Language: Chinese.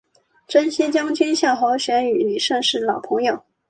征西将军夏侯玄与李胜是老朋友。